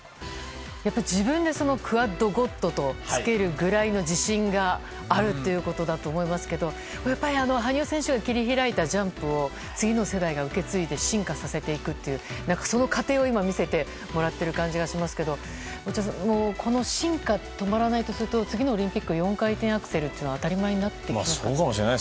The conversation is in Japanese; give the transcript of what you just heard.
自分で「ｑｕａｄｇ０ｄ」とつけるぐらいの自信があるということだと思いますがやっぱり羽生選手が切り開いたジャンプを次の世代が受け継いで進化させていくっていうその過程を今見せてもらっている感じがしますが落合さん、この進化が止まらないとすると次のオリンピックで４回転アクセルというのは当たり前になってくるんですかね。